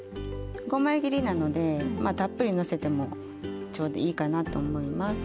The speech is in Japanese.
５枚切りなのでまあたっぷりのせてもちょうどいいかなと思います。